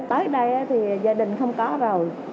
tới đây thì gia đình không có rồi